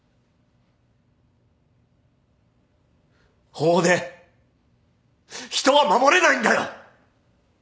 法で人は守れないんだよ！